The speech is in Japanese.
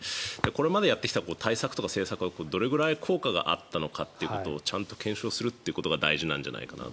これまでやってきた対策とか政策とかはどれぐらい効果があったのかっていうことをちゃんと検証するということが大事なんじゃないかな。